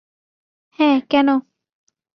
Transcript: হ্যা, কেন?